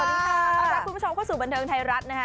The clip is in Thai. สวัสดีค่ะต้อนรับคุณผู้ชมเข้าสู่บันเทิงไทยรัฐนะคะ